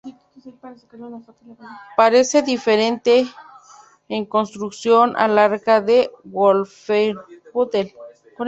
Parece diferente, en construcción, al Arca de Wolfenbüttel.